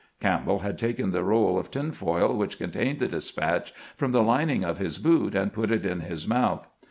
Campbell had taken the roll of tin foil which contained the despatch from the lining of his boot, and put it in his mouth.